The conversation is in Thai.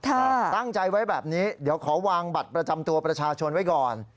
ตั้งใจไว้แบบนี้เดี๋ยวขอวางบัตรประจำตัวประชาชนไว้ก่อน